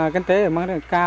kinh tế mang ra cao